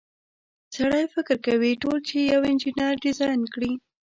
سړی فکر کوي ټول چې یوه انجنیر ډیزاین کړي.